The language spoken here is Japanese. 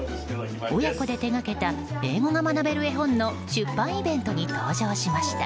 親子で手掛けた英語が学べる絵本の出版イベントに登場しました。